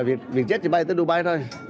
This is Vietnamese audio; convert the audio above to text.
việc jet chỉ bay tới dubai thôi